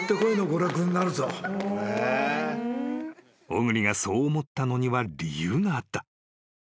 ［小栗がそう思ったのには理由があった］